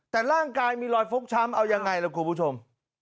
แต่ร่างกายมีรอยฟกช้ำเอายังไงล่ะคุณผู้ชม